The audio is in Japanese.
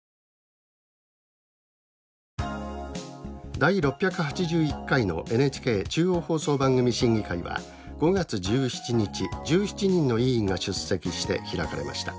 第６８１回のＮＨＫ中央放送番組審議会は５月１７日１７人の委員が出席して開かれました。